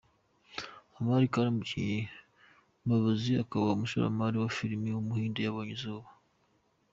Aamir Khan, umukinnyi, umuyobozi akaba n’umushoramari wa filime w’umuhinde yabonye izuba.